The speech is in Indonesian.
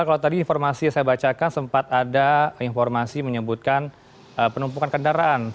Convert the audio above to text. kalau tadi informasi yang saya bacakan sempat ada informasi menyebutkan penumpukan kendaraan